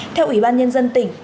theo ủy ban nhân dân tỉnh